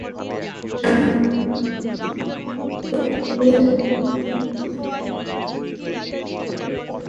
চন্দ্রমাধববাবু স্তম্ভিত হইয়া হারানো বোতামটার কথা একেবারে ভুলিয়া গেলেন।